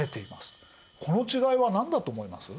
この違いは何だと思います？